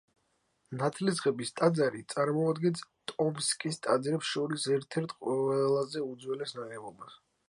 ნათლისღების ტაძარი წარმოადგენს ტომსკის ტაძრებს შორის ერთ-ერთ უძველეს ნაგებობას.